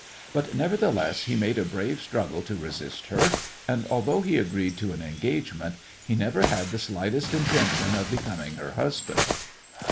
But nevertheless, he made a brave struggle to resist her, and, although he agreed to an engagement, he never had the slightest intention of becoming her husband.